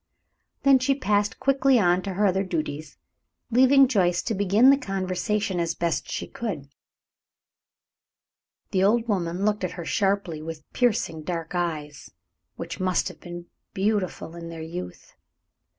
Then she passed quickly on to her other duties, leaving Joyce to begin the conversation as best she could. The old woman looked at her sharply with piercing dark eyes, which must have been beautiful in their youth.